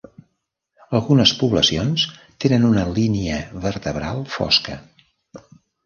Algunes poblacions tenen una línia vertebral fosca.